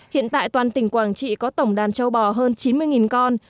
hiện tại toàn tỉnh quảng trị có tổng đàn châu bò hơn chín mươi con